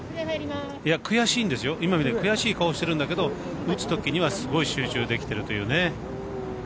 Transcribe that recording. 悔しいんですよ、今みたいに悔しい顔してるんだけど打つときにはすごい集中できてるというね。